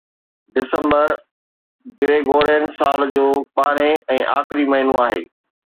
December Gregorian سال جو ٻارهين ۽ آخري مهينو آهي